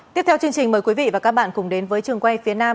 tiếp theo chương trình mời quý vị và các bạn cùng đến với trường quay phía nam